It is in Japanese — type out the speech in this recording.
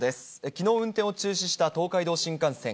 きのう運転を中止した東海道新幹線。